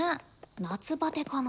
夏バテかな？